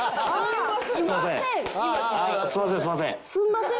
「すんません」